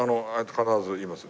必ず言います。